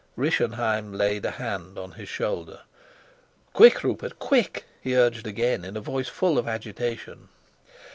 Rischenheim laid a hand on his shoulder. "Quick, Rupert, quick," he urged again, in a voice full of agitation.